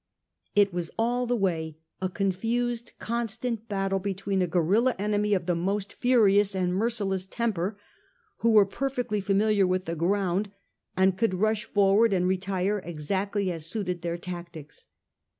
It was all the way a confused con stant battle against a guerilla enemy of the most furious and merciless temper, who were perfectly familiar with the ground, and could rush forward and retire exactly as suited their tactics.